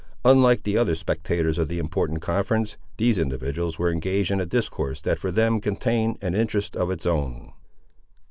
Unlike the other spectators of the important conference, these individuals were engaged in a discourse that for them contained an interest of its own.